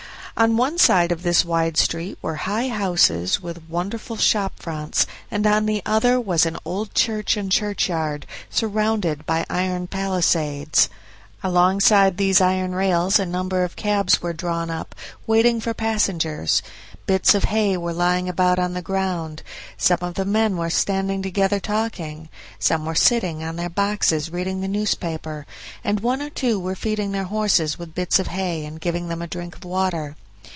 On one side of this wide street were high houses with wonderful shop fronts, and on the other was an old church and churchyard, surrounded by iron palisades. Alongside these iron rails a number of cabs were drawn up, waiting for passengers; bits of hay were lying about on the ground; some of the men were standing together talking; some were sitting on their boxes reading the newspaper; and one or two were feeding their horses with bits of hay, and giving them a drink of water.